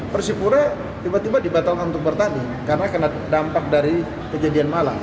persipura tiba tiba dibatalkan untuk bertanding karena kena dampak dari kejadian malang